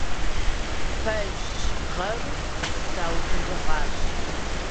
Пэжщ, гъэру саубыдыгъащ.